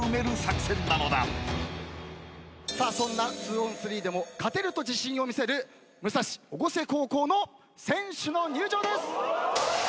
そんな２ｏｎ３でも勝てると自信を見せる武蔵越生高校の選手の入場です。